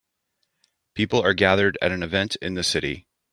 People are gathered at an event in the city.